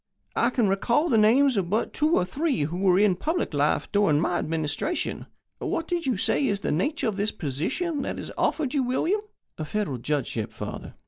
I can recall the names of but two or three who were in public life during My Administration. What did you say is the nature of this position that is offered you, William?" "A Federal Judgeship, father.